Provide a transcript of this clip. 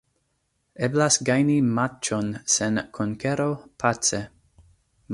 Eblas gajni matĉon sen konkero, pace.